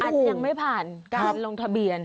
ยังไม่ผ่านการลงทะเบียน